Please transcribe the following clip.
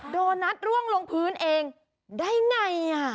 โดนัทรร่วงลงพื้นเองได้ไง